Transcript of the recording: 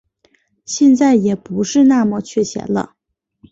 现在也不是那么缺钱了